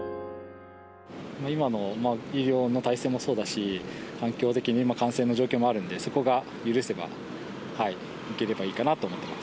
今の医療の体制もそうだし、環境的に、今、感染の状況もあるんで、そこが許せば、行ければいいかなと思ってます。